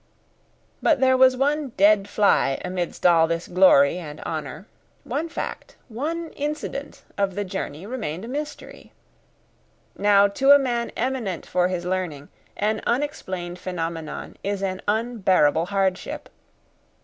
But there was one 'dead fly' amidst all this glory and honour; one fact, one incident, of the journey remained a mystery. Now to a man eminent for his learning, an unexplained phenomenon is an unbearable hardship.